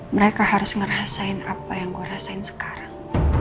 mereka harus ngerasain apa yang gue rasain sekarang